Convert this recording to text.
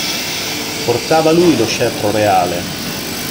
Portava lui lo scettro reale.